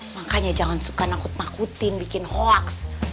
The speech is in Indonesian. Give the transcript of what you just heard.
makanya jangan suka nakut nakutin bikin hoax